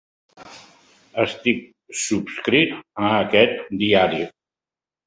Estic subscrit a aquest diari.